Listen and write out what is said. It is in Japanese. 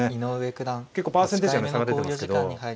結構パーセンテージは差が出てますけど。